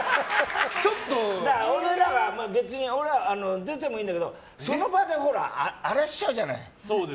俺らは別に出てもいいんだけどその場でほら荒らしちゃうじゃない。